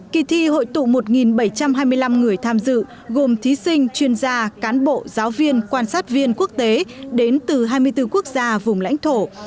kỳ thi hội tụ một bảy trăm hai mươi năm người tham dự gồm thí sinh chuyên gia cán bộ giáo viên quan sát viên quốc tế đến từ hai mươi bốn quốc gia vùng lãnh thổ